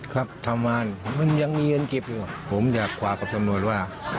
ครับทำมันมันยังมีเงินเก็บอยู่ผมจะขวากับสำนวนว่า